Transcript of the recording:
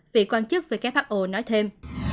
vị quan chức về các pháp ổ nói thêm